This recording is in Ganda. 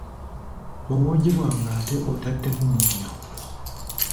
Mu buugi bwange ate otaddemu munnyo!